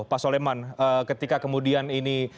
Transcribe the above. pak soleman ketika kemudian ini